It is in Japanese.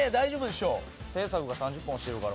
制作が３０分押してるから。